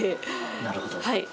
なるほど。